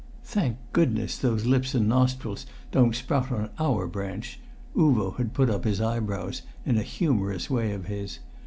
] "Thank goodness those lips and nostrils don't sprout on our branch!" Uvo had put up his eyebrows in a humorous way of his.